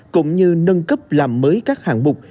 cũng như nâng cấp làm mới các hàng mục